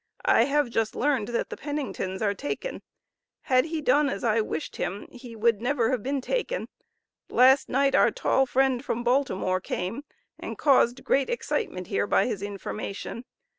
I have just learned, that the Penningtons are taken. Had he done as I wished him he would never have been taken. Last night our tall friend from Baltimore came, and caused great excitement here by his information.